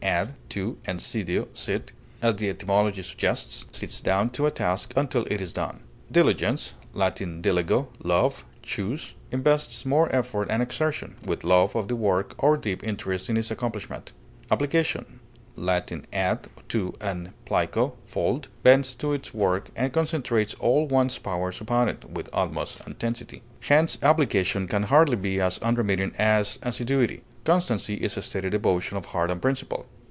ad, to, and sedeo, sit), as the etymology suggests, sits down to a task until it is done. Diligence (L. diligo, love, choose) invests more effort and exertion, with love of the work or deep interest in its accomplishment; application (L. ad, to, and plico, fold) bends to its work and concentrates all one's powers upon it with utmost intensity; hence, application can hardly be as unremitting as assiduity. Constancy is a steady devotion of heart and principle.